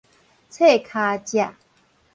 冊尻脊